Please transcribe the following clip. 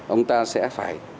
ông ta sẽ phải